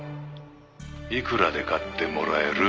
いくらで買ってもらえる？」